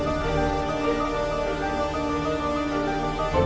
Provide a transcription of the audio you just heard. karena itu mbak elsa harus lebih fokus